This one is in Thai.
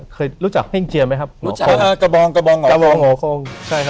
เคยรู้จักแห้งเจียไหมครับกระบองหัวโค้ง